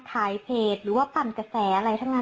ขายเพจหรือว่าปั่นกระแส